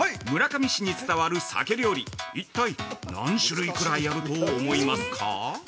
村上市に伝わる鮭料理、一体、何種類くらいあると思いますか？